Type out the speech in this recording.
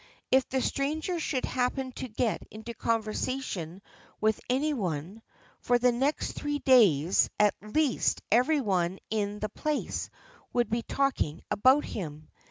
If the stranger should happen to get into conversation with any one, for the next three days at least every one in the place would be talking about him.